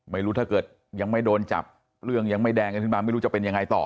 ไม่รู้ถ้าเกิดยังไม่โดนจับเรื่องยังไม่แดงกันขึ้นมาไม่รู้จะเป็นยังไงต่อ